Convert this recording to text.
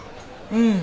うん。